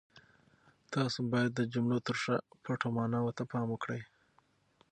تاسو باید د جملو تر شا پټو ماناوو ته پام وکړئ.